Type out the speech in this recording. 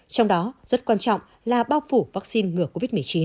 trong đó rất quan trọng là bao phủ vaccine ngừa covid một mươi chín